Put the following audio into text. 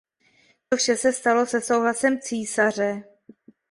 To vše se stalo se souhlasem císaře.